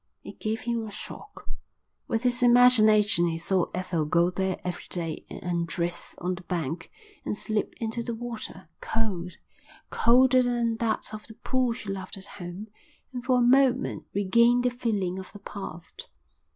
It gave him a shock. With his imagination he saw Ethel go there every day and undress on the bank and slip into the water, cold, colder than that of the pool she loved at home, and for a moment regain the feeling of the past.